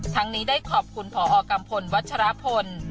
ทั้งนี้ได้ขอบคุณพอกัมพลวัชฌาละพล